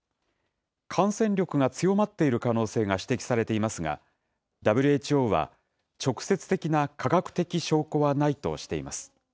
感染力が強まっている可能性が指摘されていますが、ＷＨＯは、直接的な科学的証拠はないとしています。